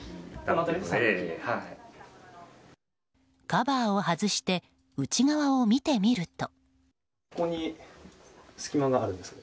カバーを外して内側を見てみると。